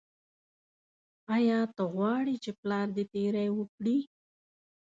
ایا ته غواړې چې پلار دې تیری وکړي.